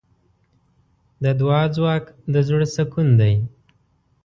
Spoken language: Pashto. د دعا ځواک د زړۀ سکون دی.